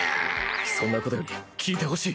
そんなことより聞いてほしい。